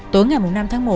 tối ngày năm tháng một